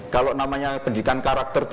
kalau namanya pendidikan karakter itu